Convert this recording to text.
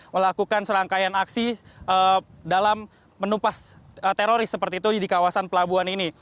melakukan serangkaian aksi dalam menupas teroris seperti itu di kawasan pelabuhan ini